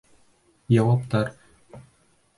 Яуаптар: